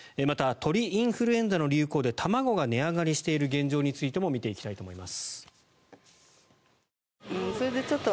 また、鳥インフルエンザの流行で卵が値上がりしている状況についても見ていきたいと思います。